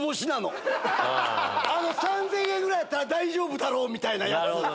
３０００円ぐらいだったら大丈夫だろう！みたいなやつ。